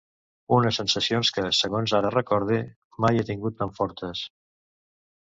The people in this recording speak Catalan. Unes sensacions que, segons ara recorde, mai he tingut tan fortes.